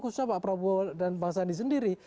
khususnya pak prabowo dan bang sandi sendiri